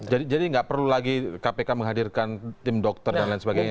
jadi tidak perlu lagi kpk menghadirkan tim dokter dan lain sebagainya